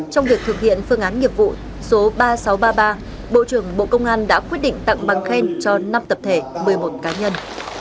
trong việc thực hiện phương án nghiệp vụ số ba nghìn sáu trăm ba mươi ba bộ trưởng bộ công an đã quyết định tặng bằng khen cho năm tập thể một mươi một cá nhân